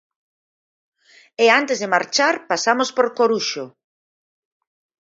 E antes de marchar pasamos por Coruxo.